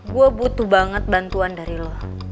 gue butuh banget bantuan dari lo